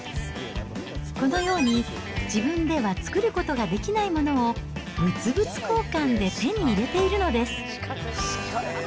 このように自分では作ることができないものを、物々交換で手に入れているのです。